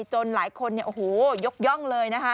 จนหลายคนโยกย่องเลย